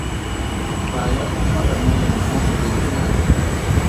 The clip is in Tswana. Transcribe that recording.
Tlaya o palame le nna mo koloing ya me.